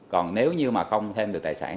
còn nếu như mà không thêm được tài sản